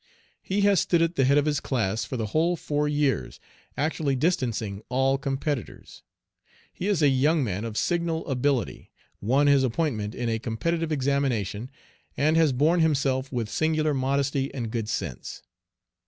He has stood at the head of his class for the whole four years, actually distancing all competitors. He is a young man of signal ability, won his appointment in a competitive examination, and has borne himself with singular modesty and good sense.